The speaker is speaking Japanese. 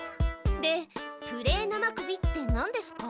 で「プレー生首」ってなんですか？